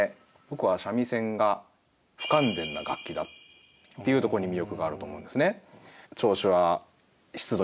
僕は三味線が不完全な楽器だっていうところに魅力があると思うんですね。